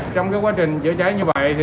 trong quá trình chữa cháy như vậy